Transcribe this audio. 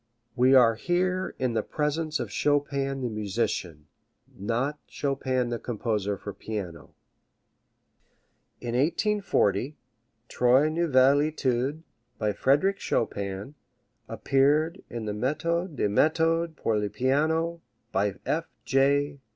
We are here in the presence of Chopin the musician, not Chopin the composer for piano. III In 1840, Trois Nouvelles Etudes, by Frederic Chopin, appeared in the "Methode des Methodes pour le piano," by F. J.